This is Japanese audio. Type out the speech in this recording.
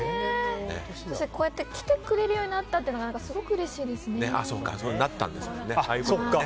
こうやって来てくれるようになったというのがすごくうれしいですね。